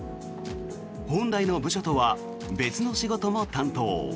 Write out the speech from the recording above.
本来の部署とは別の仕事も担当。